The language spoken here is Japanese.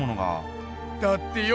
だってよ